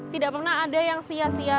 tidak pernah ada yang sia sia